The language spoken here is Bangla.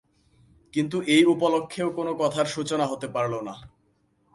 কিন্তু এই উপলক্ষেও কোনো কথার সূচনা হতে পারল না।